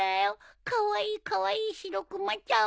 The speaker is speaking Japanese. カワイイカワイイシロクマちゃんを！